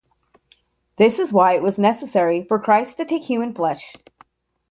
This is why it was necessary for Christ to take human flesh.